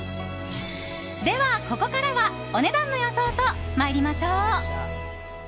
では、ここからはお値段の予想と参りましょう。